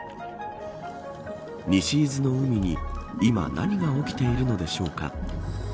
西伊豆の海に今何が起きているのでしょうか。